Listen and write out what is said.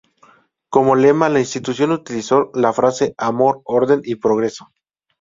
Como lema, la institución utilizó la frase: "Amor, Orden y Progreso".